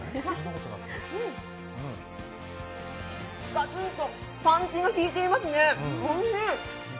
ガツンとパンチが効いていますね、おいしい。